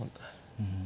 うん。